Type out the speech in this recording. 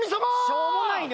しょうもないね